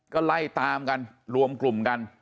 ก็ไล่ตามกันรวมกลุ่มกัน